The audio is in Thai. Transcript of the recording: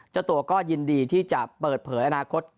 เจ้าตัวก็ยินดีที่จะเปิดเผยอนาคต